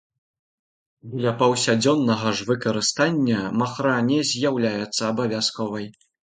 Для паўсядзённага ж выкарыстання махра не з'яўляецца абавязковай.